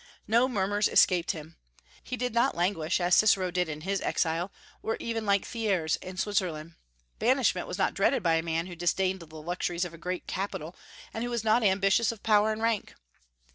No murmurs escaped him. He did not languish, as Cicero did in his exile, or even like Thiers in Switzerland. Banishment was not dreaded by a man who disdained the luxuries of a great capital, and who was not ambitious of power and rank.